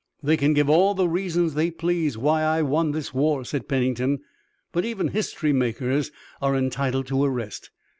"They can give all the reasons they please why I won this war," said Pennington, "but even history makers are entitled to a rest.